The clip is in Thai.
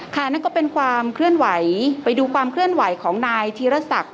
นั่นก็เป็นความเคลื่อนไหวไปดูความเคลื่อนไหวของนายธีรศักดิ์